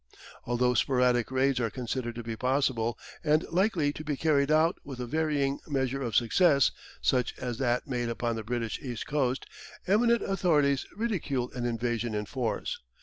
Although sporadic raids are considered to be possible and likely to be carried out with a varying measure of success such as that made upon the British East Coast eminent authorities ridicule an invasion in force.